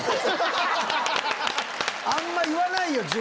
あんま言わないよ